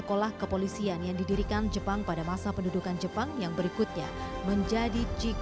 kemudian tanam lagi kan yang untung